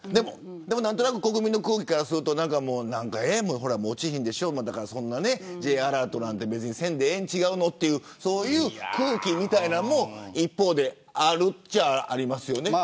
でも、何となく国民の空気からすると落ちひんでしょＪアラートなんて別にせんでええんちゃうのという空気みたいなのも一方で、あるっちゃありますよね。